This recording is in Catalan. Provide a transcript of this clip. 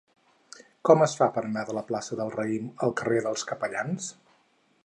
Com es fa per anar de la plaça del Raïm al carrer dels Capellans?